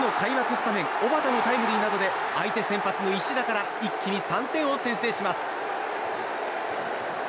スタメン小幡のタイムリーなどで相手先発の石田から一気に３点を先制します。